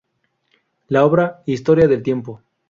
La obra "Historia del tiempo.